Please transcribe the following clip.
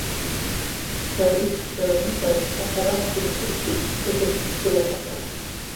Сара исшәараны иҟаз, аҟара ацҵаны исыбҭеит, ибыхьыз сыздыруам, аха…